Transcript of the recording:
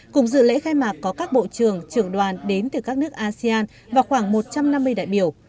cùng dự lễ khai mạc có các bộ trưởng trưởng đoàn đến từ các nước asean và khoảng một trăm năm mươi đại biểu